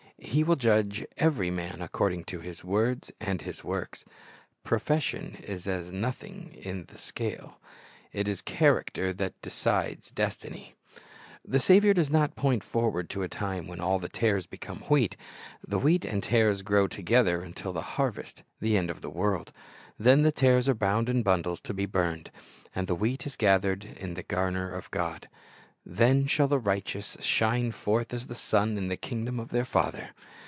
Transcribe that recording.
He ' will judge every man according to his words and his works. Profession is as nothing in the scale. It is character that decides destiny. 1 Mai. 3 : i8 Tares 75 The Saviour does not point forward to a time when all the tares become wheat. The wheat and tares grow together until the harvest, the end of the world. Then the tares are bound in bundles to be burned, and the wheat is gathered into the garner of God. "Then shall the righteous shine forth as the sun in the kingdom of their Father."